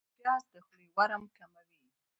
پیاز د خولې ورم کموي